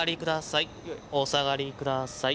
お下がりください